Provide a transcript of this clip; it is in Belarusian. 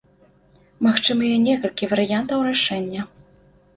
Магчымыя некалькі варыянтаў рашэння.